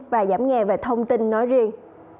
và giảm nghèo về thông tin nói riêng